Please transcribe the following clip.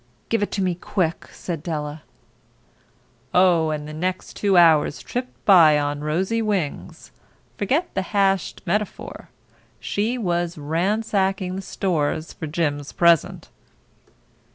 "Give it to me quick," said Della. Oh, and the next two hours tripped by on rosy wings. Forget the hashed metaphor. She was ransacking the stores for Jim's present.